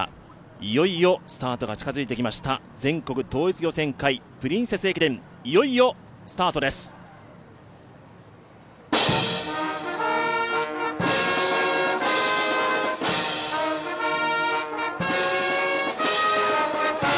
いよいよスタートが近づいてきました全国統一予選会、プリンセス駅伝、いよいよスタートです。